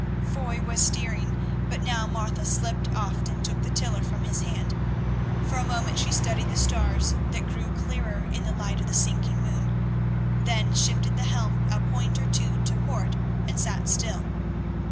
Foy was steering, but now Martha slipped aft and took the tiller from his hand. For a moment she studied the stars that grew clearer in the light of the sinking moon, then shifted the helm a point or two to port and sat still.